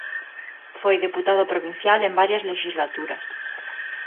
Foi deputado provincial en varias lexislaturas.